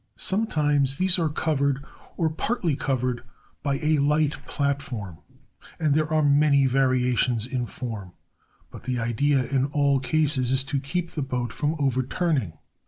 Sometimes these are covered, or partly covered, by a light platform, and there are many variations in form; but the idea in all cases is to keep the boat from overturning.